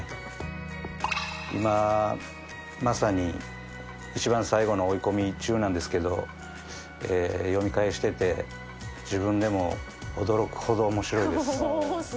今まさに一番最後の追い込み中なんですけど読み返してて自分でも驚くほど面白いです。